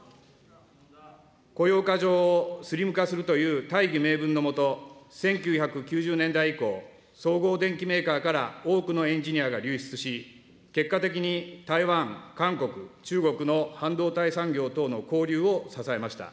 雇用過剰をスリム化するという大義名分の下、１９９０年代以降、総合電機メーカーから、多くのエンジニアが流出し、結果的に台湾、韓国、中国の半導体産業等の興隆を支えました。